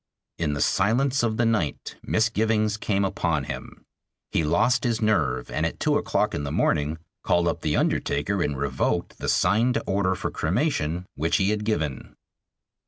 In the silence of the night misgivings came upon him. He lost his nerve, and at two o'clock in the morning called up the undertaker and revoked the signed order for cremation which he had given.